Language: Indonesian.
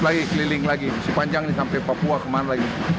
lagi keliling lagi sepanjang ini sampai papua kemana lagi